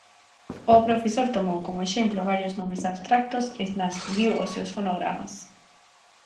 O profesor tomou como exemplo varios nomes abstractos e transcribiu os seus fonogramas.